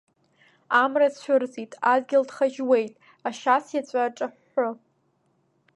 Амра цәырҵит, адгьыл ҭхаџьуеит, ашьац иаҵәа аҿаҳәҳәы.